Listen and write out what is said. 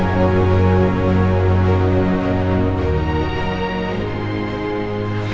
tidak tidak tidak